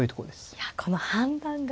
いやこの判断が。